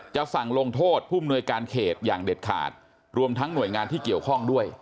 จะสั่งลงโทษผู้มนวยการเขตอย่างเด็ดขาดรวมทั้งหน่วยงานที่เกี่ยวข้องด้วย